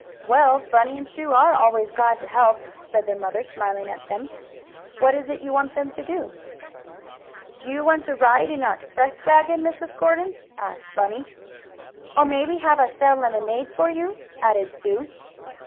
"Well, Bunny and Sue are always glad to help," said their mother, smiling at them. "What is it you want them to do?" "Do you want a ride in our express wagon, Mrs. Gordon?" asked Bunny. "Or maybe have us sell lemonade for you?" added Sue.